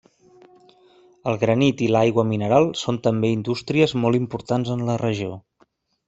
El granit i l'aigua mineral són també indústries molt importants en la regió.